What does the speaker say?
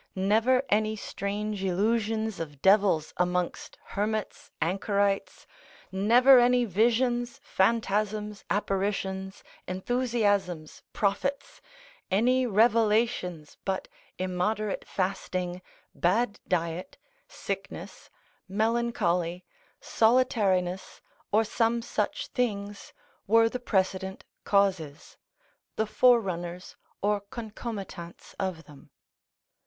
Never any strange illusions of devils amongst hermits, anchorites, never any visions, phantasms, apparitions, enthusiasms, prophets, any revelations, but immoderate fasting, bad diet, sickness, melancholy, solitariness, or some such things, were the precedent causes, the forerunners or concomitants of them.